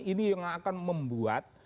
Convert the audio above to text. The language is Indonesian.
ini yang akan membuat